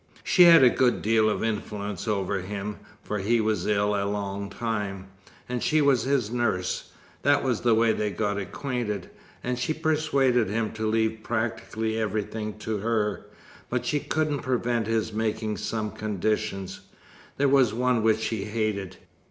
She had a good deal of influence over him, for he was ill a long time, and she was his nurse that was the way they got acquainted. And she persuaded him to leave practically everything to her; but she couldn't prevent his making some conditions. There was one which she hated.